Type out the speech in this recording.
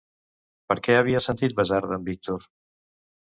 Per què havia sentit basarda en Víctor?